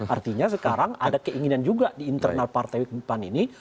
artinya sekarang ada keinginan juga di internal partai pan ini